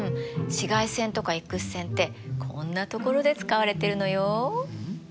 紫外線とかＸ線ってこんな所で使われてるのよ。